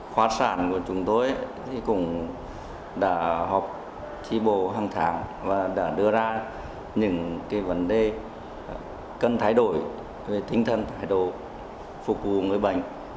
khoa sản của chúng tôi cũng đã học tri bộ hàng tháng và đã đưa ra những vấn đề cần thay đổi về tinh thần thay đổi phục vụ người bệnh